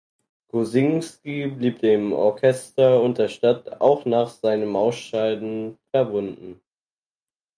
Kozinski blieb dem Orchester und der Stadt auch nach seinem Ausscheiden verbunden.